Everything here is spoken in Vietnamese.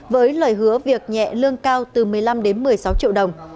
với lời hứa việc nhẹ lương cao từ một mươi năm đến một mươi sáu triệu đồng